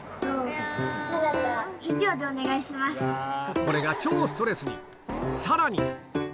これが超ストレスに！